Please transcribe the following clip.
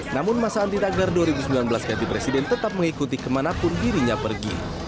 namun masa anti tagar dua ribu sembilan belas ganti presiden tetap mengikuti kemanapun dirinya pergi